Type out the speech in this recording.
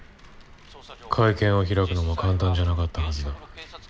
会見を開くのも簡単じゃなかったはずだ。